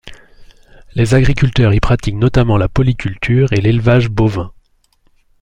Les agriculteurs y pratiquent notamment la polyculture et l'élevage bovin.